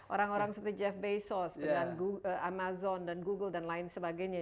orang orang seperti jeff bezos dengan amazon dan google dan lain sebagainya